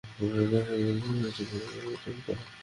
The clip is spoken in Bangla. দ্রুত এসো, বাচ্চারা, চুপ থাকবে।